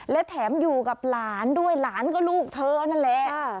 และแถมอยู่กับหลานด้วยหลานก็ลูกเธอนั่นแหละ